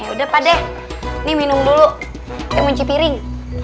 udah pak deh ini minum dulu kemunci piring